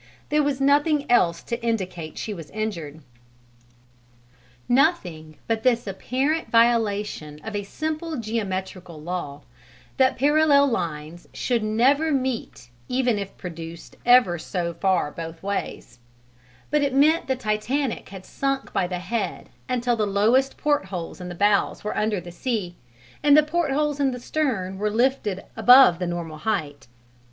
There was nothing else to indicate she was injured; nothing but this apparent violation of a simple geometrical law that parallel lines should "never meet even if produced ever so far both ways"; but it meant the Titanic had sunk by the head until the lowest portholes in the bows were under the sea, and the portholes in the stern were lifted above the normal height.